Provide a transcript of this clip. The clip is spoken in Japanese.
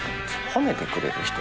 褒めてくれる人。